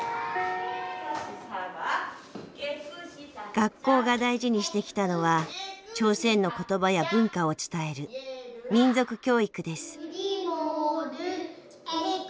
学校が大事にしてきたのは朝鮮の言葉や文化を伝える民族教育です。